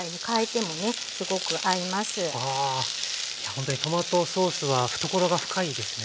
ほんとにトマトソースは懐が深いですね。